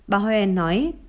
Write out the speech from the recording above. bà huyen nói